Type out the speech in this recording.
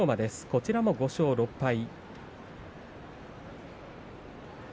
こちらも５勝６敗。